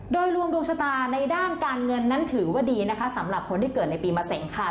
โดยรวมดวงชะตาในด้านการเงินนั้นถือว่าดีนะคะสำหรับคนที่เกิดในปีมะเสงค่ะ